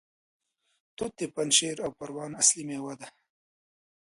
توت د پنجشیر او پروان اصلي میوه ده.